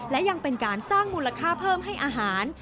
และยังเป็นการสร้างมูลค่าเพิ่มให้อาหาร